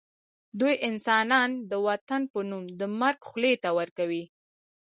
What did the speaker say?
دوی انسانان د وطن په نوم د مرګ خولې ته ورکوي